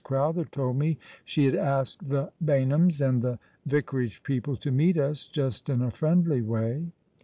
Crowtlier told me she had asked the Baynhams and the Vicarage people to meet ns, just in a friendly way."